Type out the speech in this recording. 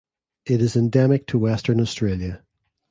It is endemic to Western Australia.